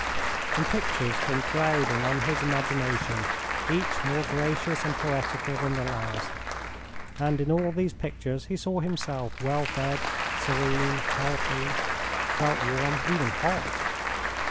And pictures came crowding on his imagination, each more gracious and poetical than the last. And in all these pictures he saw himself well fed, serene, healthy, felt warm, even hot!